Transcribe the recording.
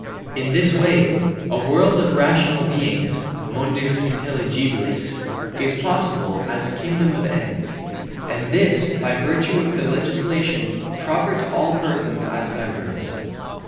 In this way a world of rational beings (mundus intelligibilis) is possible as a kingdom of ends, and this by virtue of the legislation proper to all persons as members.